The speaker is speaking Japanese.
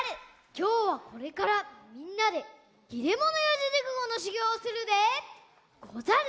きょうはこれからみんなで「切れ者四字熟語」のしゅぎょうをするでござる！